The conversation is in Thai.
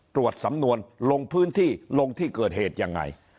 ตรวจสำนวนลงพื้นที่ลงที่เกิดเหตุยังไง